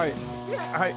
はい。